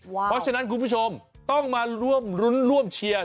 เพราะฉะนั้นคุณผู้ชมต้องมาร่วมรุ้นร่วมเชียร์